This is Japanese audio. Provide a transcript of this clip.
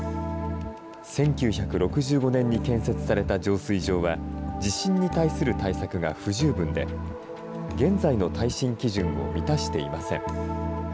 １９６５年に建設された浄水場は、地震に対する対策が不十分で、現在の耐震基準を満たしていません。